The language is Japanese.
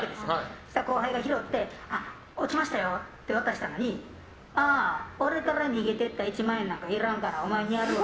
そしたら、後輩が拾って落ちましたよって渡したのにああ、俺から逃げてった１万円なんか１万？